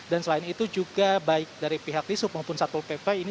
dan selain itu juga baik dari pihak lisuk maupun satpol pp